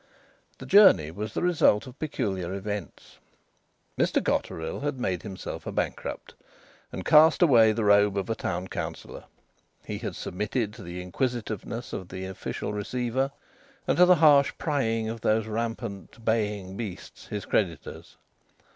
The journey was the result of peculiar events. Mr Cotterill had made himself a bankrupt, and cast away the robe of a Town Councillor. He had submitted to the inquisitiveness of the Official Receiver, and to the harsh prying of those rampant baying beasts, his creditors.